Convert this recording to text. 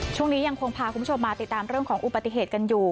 ยังคงพาคุณผู้ชมมาติดตามเรื่องของอุบัติเหตุกันอยู่